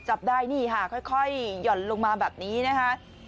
จับได้นี่ค่ะค่อยหย่อนลงมาแบบนี้นะคะ